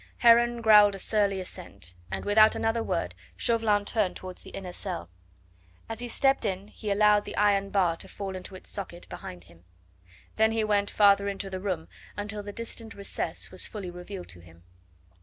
Heron growled a surly assent, and without another word Chauvelin turned towards the inner cell. As he stepped in he allowed the iron bar to fall into its socket behind him. Then he went farther into the room until the distant recess was fully revealed to him.